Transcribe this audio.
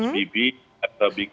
xbb atau bq